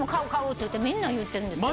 って言ってみんな言うてるんですよ。